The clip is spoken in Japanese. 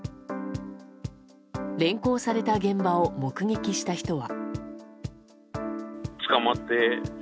連行された現場を目撃した人は。